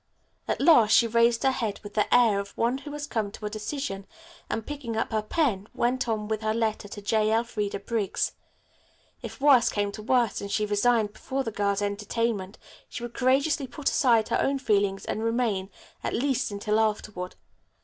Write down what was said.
At last she raised her head with the air of one who has come to a decision, and, picking up her pen, went on with her letter to J. Elfreda Briggs. If worse came to worst and she resigned before the girls' entertainment she would courageously put aside her own feelings and remain, at least, until afterward.